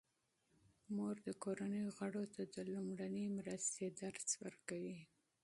مور د کورنۍ غړو ته د لومړنۍ مرستې درس ورکوي.